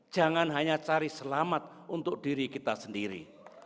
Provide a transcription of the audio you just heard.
jangan hanya cari selamat untuk diri kita sendiri